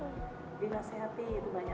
bahkan ketika saya disantrin selalu beliau yang